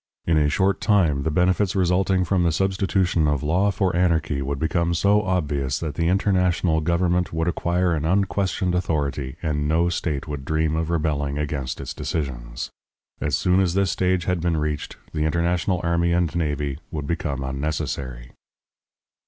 In a short time the benefits resulting from the substitution of law for anarchy would become so obvious that the international government would acquire an unquestioned authority, and no state would dream of rebelling against its decisions. As soon as this stage had been reached, the international army and navy would become unnecessary.